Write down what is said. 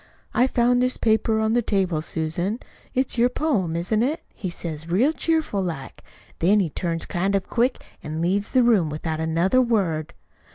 'I found this paper on the table, Susan. It's your poem, isn't it?' he says real cheerful like. Then he turns kind of quick an' leaves the room without another word.